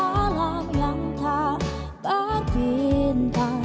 malam yang tak berbintang